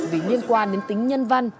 vì liên quan đến tính nhân văn